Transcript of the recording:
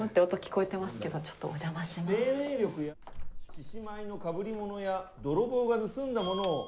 獅子舞のかぶりものや泥棒が盗んだものを。